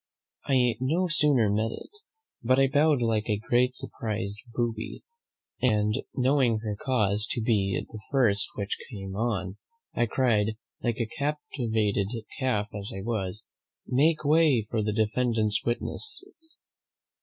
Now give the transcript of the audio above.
I no sooner met it, but I bowed like a great surprised booby; and knowing her cause to be the first which came on, I cried, like a captivated calf as I was! 'Make way for the defendant's witnesses.'